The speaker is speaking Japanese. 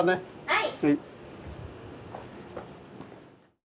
はい。